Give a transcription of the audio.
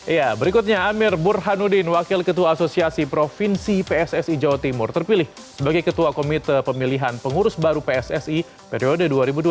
iya berikutnya amir burhanuddin wakil ketua asosiasi provinsi pssi jawa timur terpilih sebagai ketua komite pemilihan pengurus baru pssi periode dua ribu dua puluh tiga dua ribu dua puluh tujuh